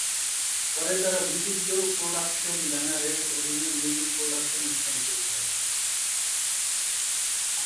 পরে তারা বিশুদ্ধ প্রোডাকশনস ব্যানারের অধীনে মিউজিক প্রোডাকশনে স্থানান্তরিত হয়।